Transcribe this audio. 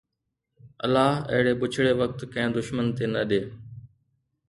الله اهڙي بڇڙي وقت ڪنهن دشمن تي نه ڏي